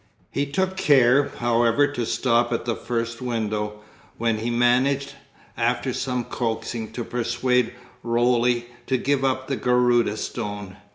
He took care, however, to stop at the first window, when he managed, after some coaxing, to persuade Roly to give up the Garudâ Stone.